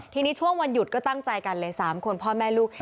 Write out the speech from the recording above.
ทีนี้ช่วงวันหยุดก็ตั้งใจกันเลย๓คนพ่อแม่ลูก